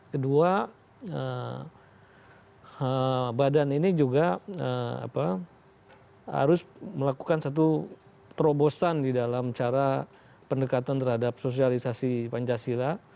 kedua badan ini juga harus melakukan satu terobosan di dalam cara pendekatan terhadap sosialisasi pancasila